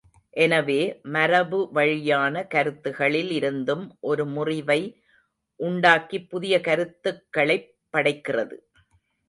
எனவே மரபு வழியான கருத்துகளில் இருந்தும் ஒரு முறிவை உண்டாக்கிப் புதிய கருத்துக்களைப் படைக்கிறது.